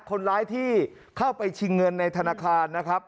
คนร้ายที่เข้าไปชิงเงินในธนาคารนะครับ